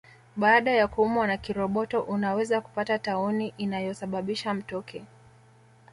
Baada ya kuumwa na kiroboto unaweza kupata tauni inayosababisha mtoki